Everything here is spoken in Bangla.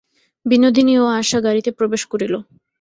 বিনোদিনী ও আশা গাড়িতে প্রবেশ করিল।